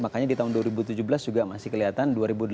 makanya di tahun dua ribu tujuh belas juga masih kelihatan